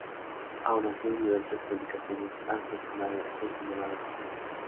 Aun así, diversas publicaciones han cuestionado su elevados gastos.